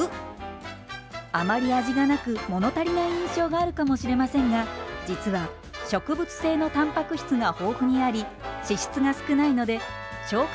あまり味がなく物足りない印象があるかもしれませんが実は植物性のタンパク質が豊富にあり脂質が少ないので消化